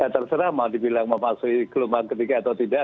terserah mau dibilang mau masuk gelombang ketiga atau tidak